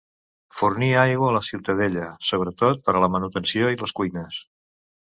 Fornia aigua a la ciutadella, sobretot per a la manutenció i les cuines.